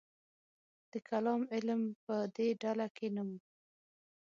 د کلام علم په دې ډله کې نه و.